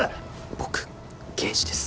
僕刑事です。